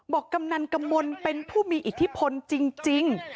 กำนันกมลเป็นผู้มีอิทธิพลจริง